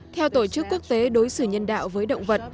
theo tổ chức quốc tế đối xử nhân đạo với động vật